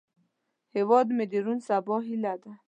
هیواد مې د روڼ سبا هیله ده